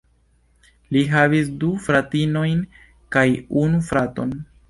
Li havis du fratinojn kaj unu fraton.